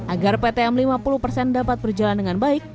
agar ptm lima puluh persen dapat berjalan dengan baik